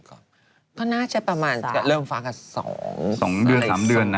ก็น่าจะประมาณจะเริ่มฟ้ากับ๒เดือน๓เดือนนะ